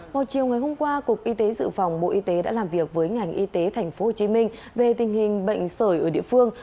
vào chiều ngày hôm qua cục y tế dự phòng bộ y tế đã làm việc với ngành y tế tp hcm về tình hình bệnh sởi ở địa phương